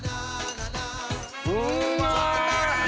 うまーい！